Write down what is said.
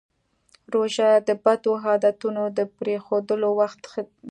روژه د بدو عادتونو د پرېښودو وخت دی.